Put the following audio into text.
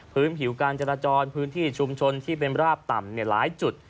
ผิวการจราจรพื้นที่ชุมชนที่เป็นราบต่ำหลายจุด